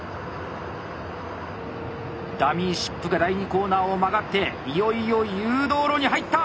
ダミーシップが第２コーナーを曲がっていよいよ誘導路に入った！